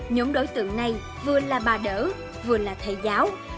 nhóm đối tượng này vừa là bà đỡ vừa là thầy giáo